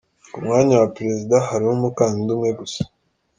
Ku mwanya wa Perezida hariho umukandida umwe gusa, Amb.